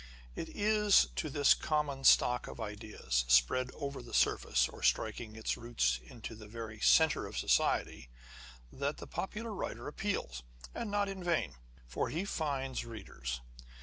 It is to this common stock of ideas, spread over the surface, or striking its roots into the very centre of society, that the popular writer appeals, and not in vain ; for he finds readers.